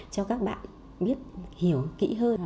cho các bạn biết hiểu kỹ hơn